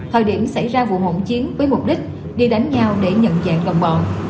thời điểm xảy ra vụ hỗn chiến với mục đích đi đánh nhau để nhận dạng đồng bọn